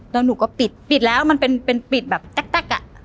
แล้วหนูก็ปิดปิดแล้วมันเป็นปิดแบบแต๊กอ่ะ